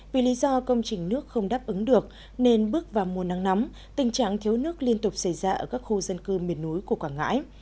vì lý do công trình nước không đáp ứng được nên bước vào mùa nắng nóng tình trạng thiếu nước liên tục xảy ra ở các khu dân cư miền núi của quảng ngãi